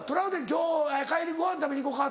今日帰りごはん食べに行こか？